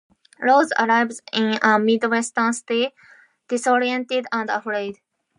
Rose arrives in a Midwestern city, disoriented and afraid.